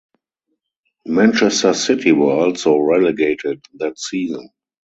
Manchester City were also relegated that season.